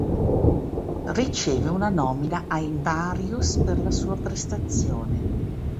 Riceve una nomina ai Marius per la sua prestazione.